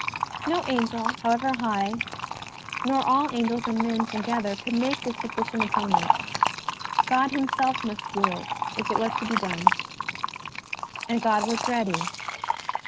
No Angel, however high, nor all Angels and men to gether, could make this sufficient atonement. God him self must do it if it was to be done. And God was ready.